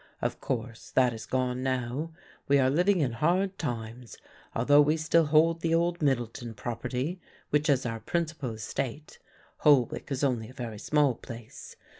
Of course that has gone now; we are living in hard times, although we still hold the old Middleton property, which is our principal estate; Holwick is only a very small place.